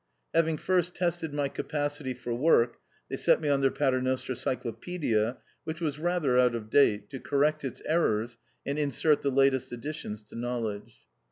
Having first tested my capacity for work, they set me on their Paternoster Cyclopcedia, which was rather out of date, to correct its errors, and insert the latest additions to knowledge.